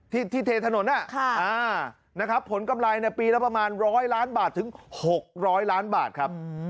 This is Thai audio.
ที่เทถนนนะครับผลกำไรปีละประมาณ๑๐๐ล้านบาทถึง๖๐๐ล้านบาทครับ